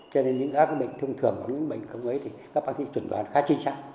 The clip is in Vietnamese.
cho nên những bệnh thông thường những bệnh không ấy thì các bác sĩ chuẩn đoán khá chính xác